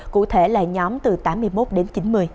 cụ thể là nhóm từ tám mươi một đến chín mươi